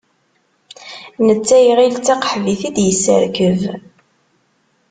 Netta iɣil d taqaḥbit i d-yesserkeb.